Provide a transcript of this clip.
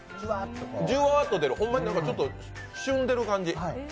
じわっとでる本当に、しゅんでる感じ。